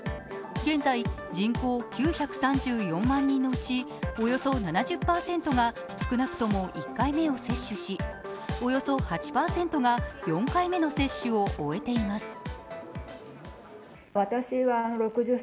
現在、人口９３４万人のうちおよそ７０％が少なくとも１回目を接種し、およそ８％が４回目の接種を終えています。